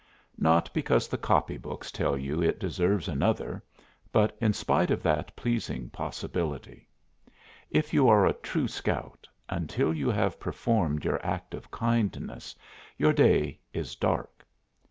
Not because the copy books tell you it deserves another, but in spite of that pleasing possibility. If you are a true Scout, until you have performed your act of kindness your day is dark.